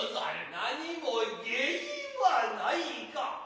何も芸はないか。